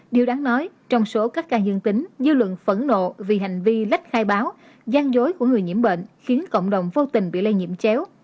điều đáng nói trong số các ca dương tính dư luận phẫn nộ vì hành vi lách khai báo gian dối của người nhiễm bệnh khiến cộng đồng vô tình bị lây nhiễm chéo